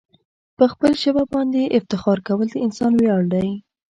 په خپل ژبه باندي افتخار کول د انسان ویاړ دی.